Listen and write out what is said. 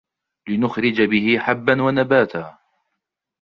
لِنُخْرِجَ بِهِ حَبًّا وَنَبَاتًا